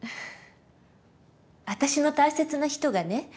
私の大切な人がね